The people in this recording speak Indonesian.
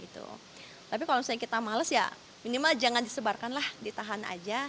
tapi kalau misalnya kita males ya minimal jangan disebarkan lah ditahan aja